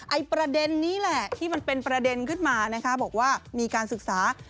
ประเด็นนี้แหละที่มันเป็นประเด็นขึ้นมานะคะบอกว่ามีการศึกษา